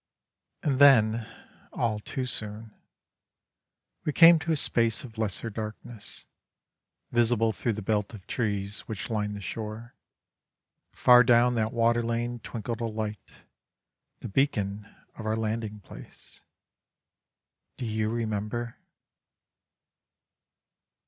And then, all too soon, we came to a space of lesser darkness, visible through the belt of trees which lined the shore; far down that water lane twinkled a light, the beacon of our landing place. Do you remember?